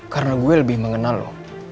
karena gue lebih mengenal lo